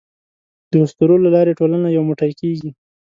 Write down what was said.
د اسطورو له لارې ټولنه یو موټی کېږي.